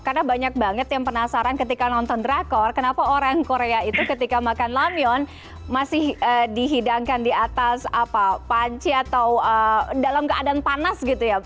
karena banyak banget yang penasaran ketika nonton drakor kenapa orang korea itu ketika makan lamyon masih dihidangkan di atas panci atau dalam keadaan panas gitu ya